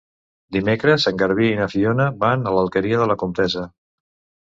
Dimecres en Garbí i na Fiona van a l'Alqueria de la Comtessa.